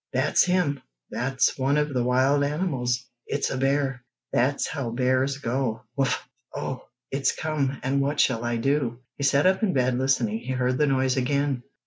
"That's him! That's one of the wild animals! It's a bear! That's how bears go 'wuff!' Oh, it's come, and what shall I do!" He sat up in bed listening. He heard the noise again!